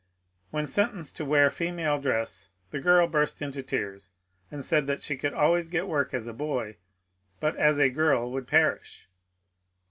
When sentenced to wear female dress the girl bursts into tears and said she could always get work as a boy, but as a girl would perish.